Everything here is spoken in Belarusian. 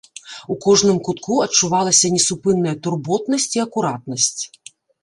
У кожным кутку адчувалася несупынная турботнасць і акуратнасць.